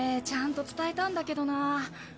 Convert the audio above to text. ちゃんと伝えたんだけどな。